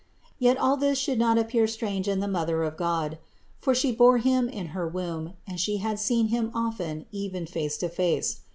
Yet all this should not appear strange in the Mother of God; for She bore Him in her womb and She had seen Him often, even face to face.